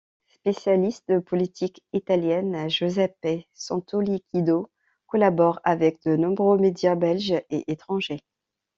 Spécialiste de politique italienne, Giuseppe Santoliquido collabore avec de nombreux médias belges et étrangers.